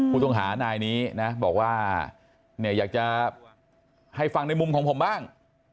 ผู้ต้องหานายนี้นะบอกว่าเนี่ยอยากจะให้ฟังในมุมของผมบ้าง